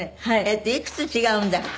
いくつ違うんだっけ？